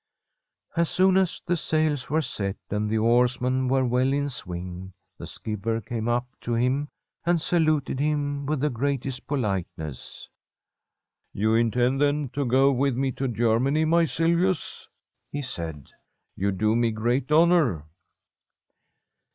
As soon as the sails were set and the oarsmen were well in swing, the skipper came up to him and saluted him with the greatest politeness. ' You intend, then, to go with me to Germany, my Silvius ?' he said. ' You do me great honour.'